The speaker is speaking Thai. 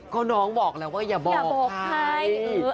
ก็น้องบอกแล้วว่าอย่าบอกใคร